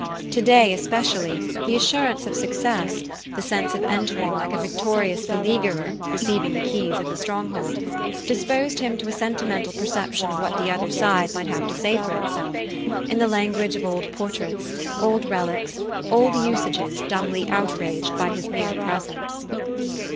Today, especially, the assurance of success the sense of entering like a victorious beleaguerer receiving the keys of the stronghold disposed him to a sentimental perception of what the other side might have to say for itself, in the language of old portraits, old relics, old usages dumbly outraged by his mere presence.